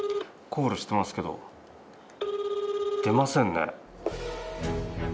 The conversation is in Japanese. コールしてますけど出ませんね。